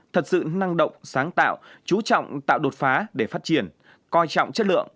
thật sự năng động sáng tạo trú trọng tạo đột phá để phát triển coi trọng chất lượng